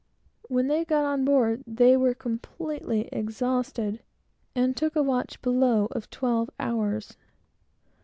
When they got on board, they were completely exhausted, and took a watch below of twelve hours.